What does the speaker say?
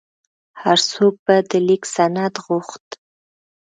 هر څوک به د لیک سند غوښت.